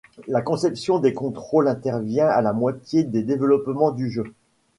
La conception des contrôles intervient à la moitié du développement du jeu.